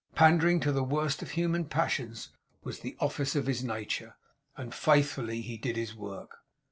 Pandering to the worst of human passions was the office of his nature; and faithfully he did his work!